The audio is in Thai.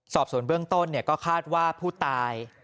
สอบส่วนเบื้องต้นก็คาดว่าผู้ตาย